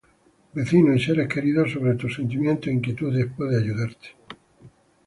vecinos y seres queridos sobre tus sentimientos e inquietudes puede ayudarte